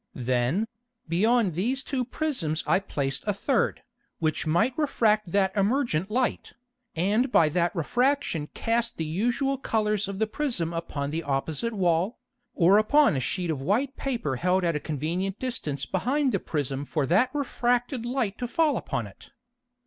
Then, beyond these two Prisms I placed a third, which might refract that emergent Light, and by that Refraction cast the usual Colours of the Prism upon the opposite Wall, or upon a sheet of white Paper held at a convenient Distance behind the Prism for that refracted Light to fall upon it.